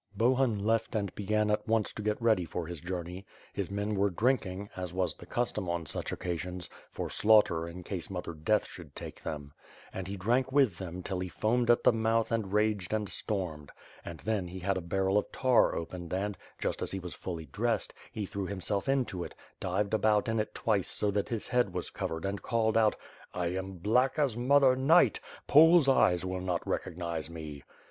Bohun left and began at once to get ready for his journey. His men were drinking, as was the custom on such occasions, for slaughter in case Mother Death should take them. And he drank with them till he foamed at the mouth and r^^ed WITH FIRE AND SWORD. 471 and stormed. And then he had a barrel of tar opened and, just as he was fully dressed^ he threw himself into it, dived about in it twice so that his head was covered and called out: "I am black as Mother Night. Poles' eyes will not recog nize me."